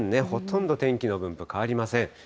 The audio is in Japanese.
ほとんど天気の分布、変わりません。